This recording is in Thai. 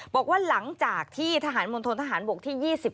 บอกว่าหลังจากที่ทหารมณฑนทหารบกที่๒๑